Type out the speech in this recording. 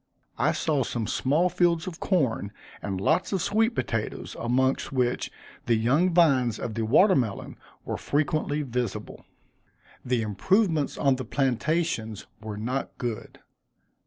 I saw some small fields of corn, and lots of sweet potatoes, amongst which the young vines of the water melon were frequently visible. The improvements on the plantations were not good.